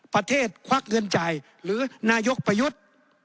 ควักเงินจ่ายหรือนายกประยุทธ์